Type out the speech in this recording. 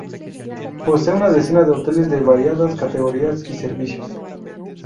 Posee una decena de hoteles de variadas categorías y servicios.